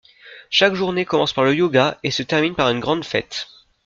Chaque journée commence par le yoga et se termine par une grande fête.